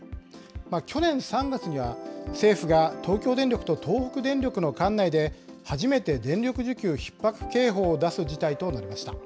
去年３月には政府が東京電力と東北電力の管内で初めて電力需給ひっ迫警報を出す事態となりました。